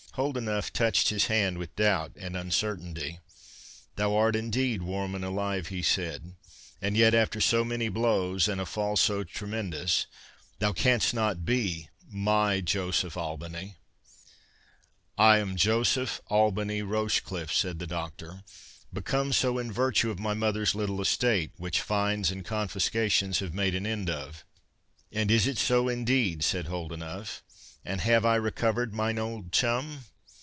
Holdenough touched his hand with doubt and uncertainty. "Thou art indeed warm and alive," he said, "and yet after so many blows, and a fall so tremendous—thou canst not be my Joseph Albany." "I am Joseph Albany Rochecliffe," said the Doctor, "become so in virtue of my mother's little estate, which fines and confiscations have made an end of." "And is it so indeed?" said Holdenough, "and have I recovered mine old chum?"